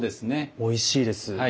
おいしいです。